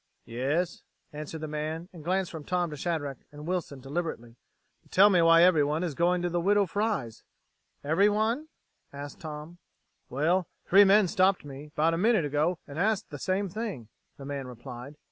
"Yes," answered the man, and he glanced from Tom to Shadrack and Wilson deliberately. "But tell me why everyone is going to the Widow Fry's!" "Everyone?" asked Wilson. "Well, three men stopped me 'bout a minute ago and asked the same thing," the man replied.